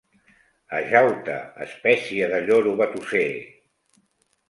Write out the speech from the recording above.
Ajau-te, espècie de lloro batusser!